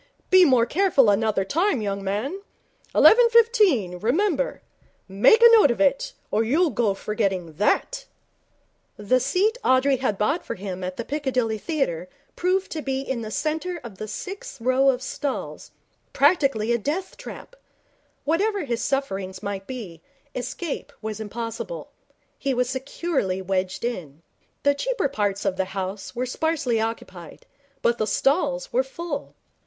Be more careful another time, young man. Eleven fifteen, remember. Make a note of it, or you'll go forgetting that.' The seat Audrey had bought for him at the Piccadilly Theatre proved to be in the centre of the sixth row of stalls practically a death trap. Whatever his sufferings might be, escape was impossible. He was securely wedged in. The cheaper parts of the house were sparsely occupied, but the stalls were full.